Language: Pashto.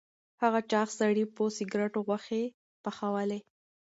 هغه چاغ سړي په سکروټو غوښې پخولې.